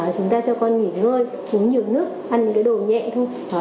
chúng ta cho con nghỉ ngơi uống nhiều nước ăn những cái đồ nhẹ thôi